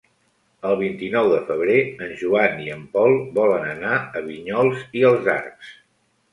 El vint-i-nou de febrer en Joan i en Pol volen anar a Vinyols i els Arcs.